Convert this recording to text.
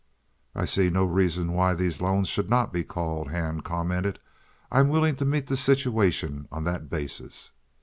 "I see no reason why these loans should not be called," Hand commented. "I'm willing to meet the situation on that basis."